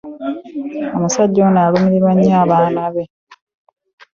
Omusajja oyo alumirirwa nnyo abaana be.